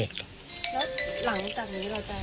แล้วหลังจากนี้เราจะยังไง